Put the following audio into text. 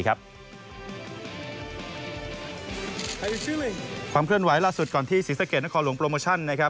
ความเคลื่อนไหวล่าสุดก่อนที่ศรีสะเกดนครหลวงโปรโมชั่น